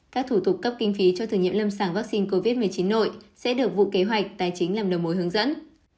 các thủ tục cấp kinh phí cho thử nghiệm lâm sàng vaccine covid một mươi chín nội sẽ được vụ kế hoạch tài chính làm đầu mối hướng dẫn